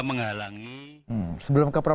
menghalangi sebelum kak prof